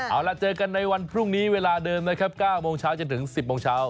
เอาล่ะเจอกันในวันพรุ่งนี้เวลาเดิมนะครับ๙โมงเช้าจนถึง๑๐โมงเช้า